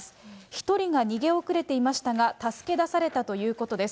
１人が逃げ遅れていましたが、助け出されたということです。